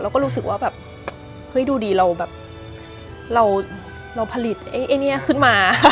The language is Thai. ก็รู้สึกว่าแบบเฮ้ยดูดีเราแบบเราผลิตไอ้นี่ขึ้นมา